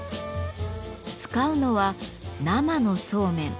使うのは生のそうめん。